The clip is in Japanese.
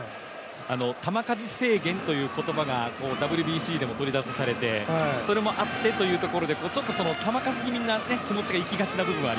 球数制限という言葉がＷＢＣでも取り沙汰されて、それもあってというところで球数に気持ちがいき気味になってるところが。